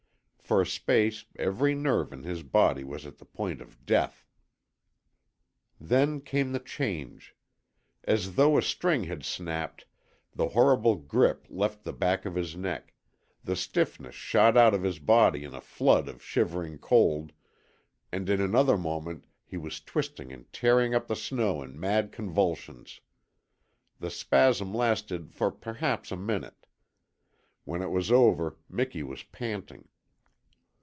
For a space every nerve in his body was at the point of death. Then came the change. As though a string had snapped, the horrible grip left the back of his neck; the stiffness shot out of his body in a flood of shivering cold, and in another moment he was twisting and tearing up the snow in mad convulsions. The spasm lasted for perhaps a minute. When it was over Miki was panting.